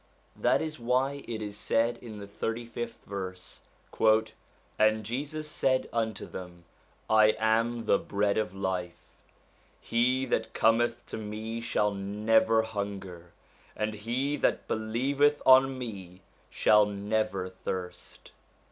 That is why it is said in the 35th verse: 'And Jesus said unto them, I am the bread of life : he that cometh to me shall never hunger; and he that believeth on me shall never thirst.'